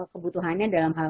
kebutuhannya dalam hal